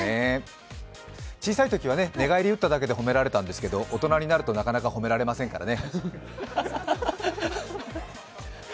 小さいときは寝返り打っただけで褒められるんですけど、大人になると、なかなか褒められませんからね。